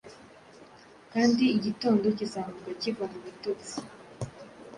Kandi igitondo kizamuka kiva mubitotsi.